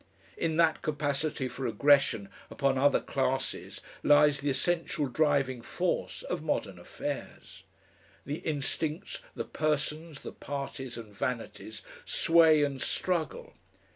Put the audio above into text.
In that capacity for aggression upon other classes lies the essential driving force of modern affairs. The instincts, the persons, the parties, and vanities sway and struggle.